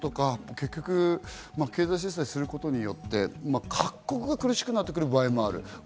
経済制裁することによって各国は苦しくなってくる場合もある。